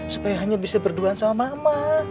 supaya hanya bisa berduaan sama mama